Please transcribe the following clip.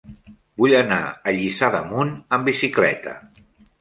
Vull anar a Lliçà d'Amunt amb bicicleta.